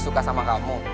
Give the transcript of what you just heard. lo tuh jahat